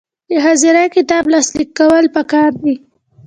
د حاضري کتاب لاسلیک کول پکار دي